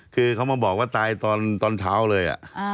คือเขามาบอกว่าตายตอนเช้าเลย